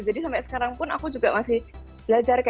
jadi sampai sekarang pun aku juga masih belajar